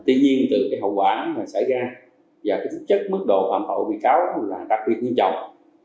tuy nhiên từ hậu quả xảy ra và chất mức độ phạm hội bị cáo là đặc biệt như trọng